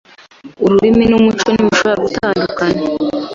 Ururimi numuco ntibishobora gutandukana.